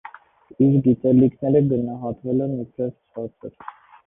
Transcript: Իր գիտելիքները գնահատվել են իբրև ցածր։